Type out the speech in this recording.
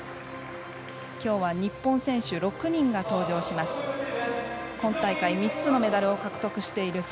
今日は日本選手６人が登場します。